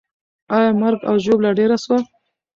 آیا مرګ او ژوبله ډېره سوه؟